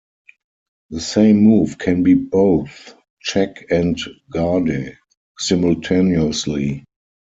The same move can be both "check" and "garde" simultaneously.